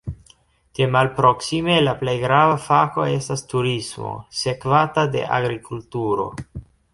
De malproksime la plej grava fako estas turismo, sekvata de agrikulturo.